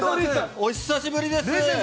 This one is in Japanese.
お久しぶりです。